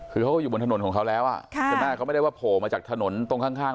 คือเขาก็อยู่บนถนนของเขาแล้วแต่หน้าเขาไม่ได้ว่าโผล่มาจากถนนตรงข้าง